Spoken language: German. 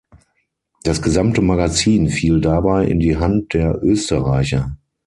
Das gesamte Magazin fiel dabei in die Hand der Österreicher.